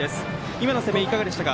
今の攻めいかがでしたか。